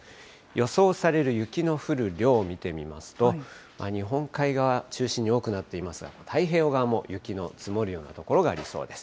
予想される雪の降る量を見てみますと、日本海側中心に多くなっていますが、太平洋側も雪の積もるような所がありそうです。